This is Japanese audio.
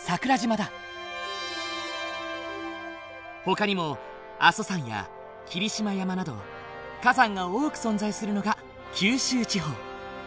ほかにも阿蘇山や霧島山など火山が多く存在するのが九州地方。